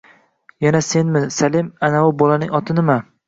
Yana senmi, Salim, anavi bolaning oti nima?